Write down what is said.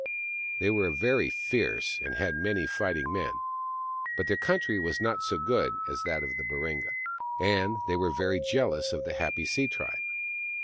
They were very fierce and had many fighting men ; but their country was not so good as that of the Baringa, and they were very jealous of the happy sea tribe.